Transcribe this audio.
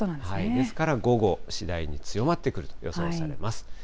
ですから午後、次第に強まってくると予想されます。